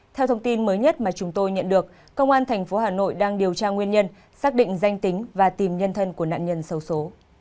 theo thông tin mới nhất mà chúng tôi nhận được công an tp hà nội đang điều tra nguyên nhân xác định danh tính và tìm nhân thân của nạn nhân sâu số